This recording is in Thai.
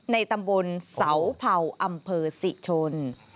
ในตำบลเสาเผาอำเภอสิชน